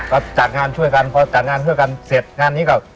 ก็จัดงานช่วยกันพอจัดงานช่วยกันเสร็จงานนี้ก็